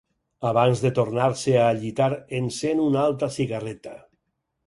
Abans de tornar-se a allitar, encén una altra cigarreta.